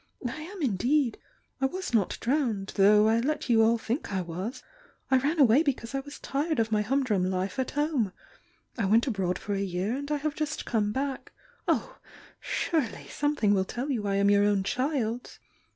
I am, indeed. I was not drowned though I let you all think I was! — I ran away be cause I was tired of my humdrum life at home! I went abroad for a year and I have just come back. Oh, surely something will tell you I am your own ch d!